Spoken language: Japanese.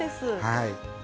はい。